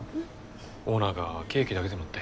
オーナーがケーキだけでもって。